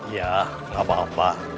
ya gak apa apa